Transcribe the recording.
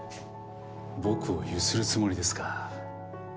僕をゆするつもりですか。